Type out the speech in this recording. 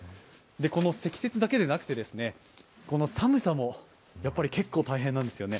この積雪だけでなく寒さも結構大変なんですね。